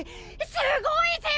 すごいぜよ！